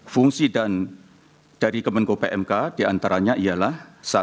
fungsi dan dari kemenko pmk diantaranya ialah